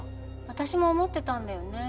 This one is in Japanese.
私も思ってたんだよね